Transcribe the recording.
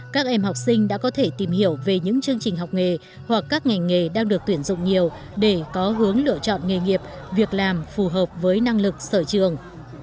các em học sinh đã có thể tìm hiểu về những chương trình học nghề hoặc các ngành nghề đang được tuyển dụng nhiều để có hướng lựa chọn nghề nghiệp việc làm phù hợp với năng lực sở trường